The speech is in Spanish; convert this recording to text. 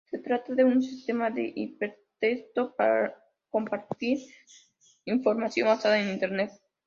Se trataba de un sistema de hipertexto para compartir información basado en Internet.